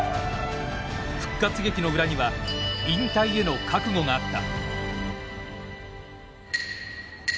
復活劇の裏には引退への覚悟があった。